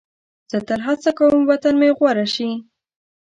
زه تل هڅه کوم وطن مې غوره شي.